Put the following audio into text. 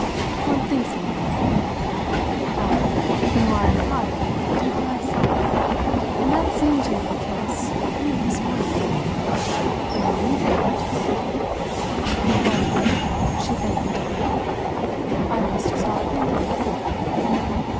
"One thinks a little." "Ah, the more I've thought the deeper I've sunk! And that seemed to me the case with you this morning," I added, "the more you thought." "Well, then," she frankly declared, "I must have stopped thinking!"